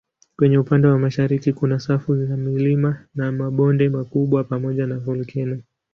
Kwenye upande wa mashariki kuna safu za milima na mabonde makubwa pamoja na volkeno.